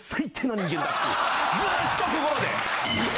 ずっと心で。